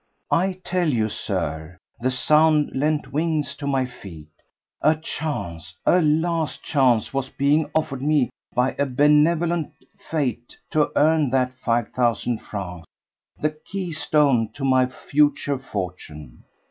I tell you, Sir, the sound lent wings to my feet. A chance—a last chance—was being offered me by a benevolent Fate to earn that five thousand francs, the keystone to my future fortune.